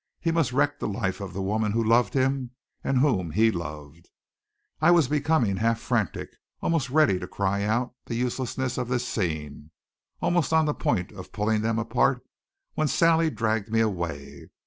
He must wreck the life of the woman who loved him and whom he loved. I was becoming half frantic, almost ready to cry out the uselessness of this scene, almost on the point of pulling them apart, when Sally dragged me away.